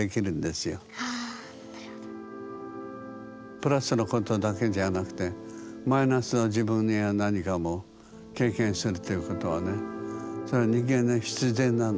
プラスのことだけじゃなくてマイナスは自分には何かも経験するっていうことはねそれは人間に必然なの。